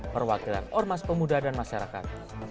perwakilan ormas pemuda dan masyarakat